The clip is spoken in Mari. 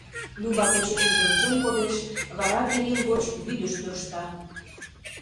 Люба почешыже ончен кодеш, вара перил гоч вӱдыш тӧршта.